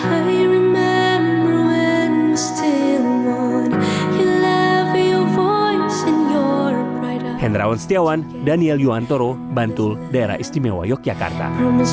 andrea won setiawan daniel yohantoro bantul daerah istimewa yogyakarta